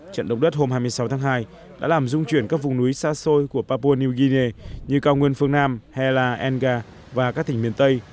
trận động đất hôm hai mươi sáu tháng hai đã làm dung chuyển các vùng núi xa xôi của papua new guinea như cao nguyên phương nam hella enga và các tỉnh miền tây